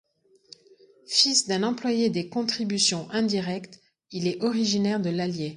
Fils d'un employé des contributions indirectes, il est originaire de l'Allier.